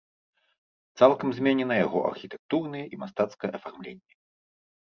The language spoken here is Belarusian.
Цалкам зменена яго архітэктурнае і мастацкае афармленне.